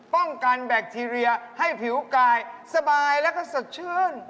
ป้องกันแบตเทียให้ผิวกายสบายและก็สดเชิญ